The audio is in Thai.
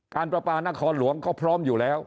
การประมาณหนัฐรหลวงก็พร้อมอยู่แล้ว